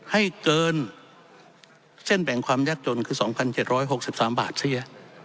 ให้เกินเส้นแบ่งความยากจนคือ๒๗๖๓บาทเสีย